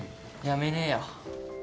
やめねえよ。